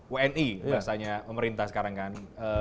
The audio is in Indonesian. wni bahasanya pemerintah sekarang kan